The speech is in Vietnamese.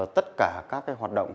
tất cả các hoạt động